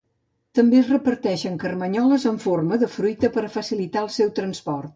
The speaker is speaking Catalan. També es reparteixen carmanyoles amb forma de fruita per facilitar el seu transport.